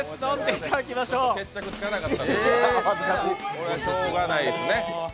これはしようがないですね。